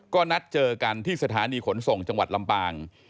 ก็นัดเจอกันที่สถานีขนส่งจังหวัดลำปาง